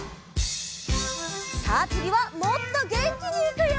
さあつぎはもっとげんきにいくよ！